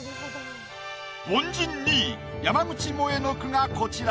凡人２位山口もえの句がこちら。